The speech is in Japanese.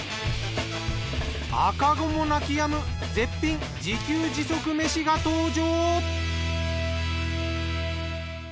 赤子も泣き止む絶品自給自足めしが登場。